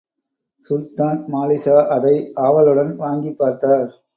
சுல்தான் மாலிக்ஷா, அதை ஆவலுடன் வாங்கிப் பார்த்தார்.